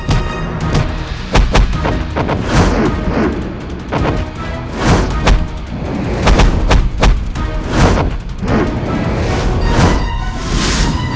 aku harus mencari tempat yang lebih aman